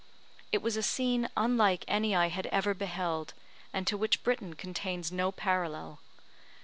It was a scene unlike any I had ever beheld, and to which Britain contains no parallel.